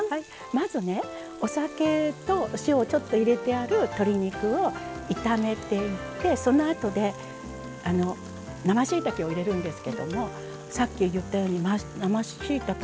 まずねお酒とお塩をちょっと入れてある鶏肉を炒めていってそのあとで生しいたけを入れるんですけどもさっき言ったように生しいたけ